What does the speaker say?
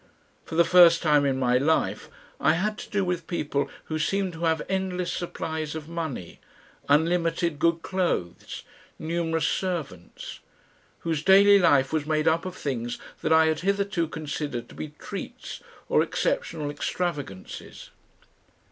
For the first time in my life I had to do with people who seemed to have endless supplies of money, unlimited good clothes, numerous servants; whose daily life was made up of things that I had hitherto considered to be treats or exceptional extravagances.